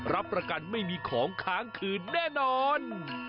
รับประกันไม่มีของค้างคืนแน่นอน